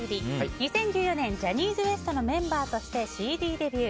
２０１４年ジャニーズＷＥＳＴのメンバーとしてＣＤデビュー。